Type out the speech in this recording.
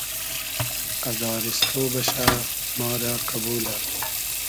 ازاریستۉ بئشۂ ما رۂ قئبولۂ